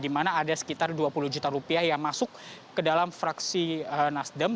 di mana ada sekitar dua puluh juta rupiah yang masuk ke dalam fraksi nasdem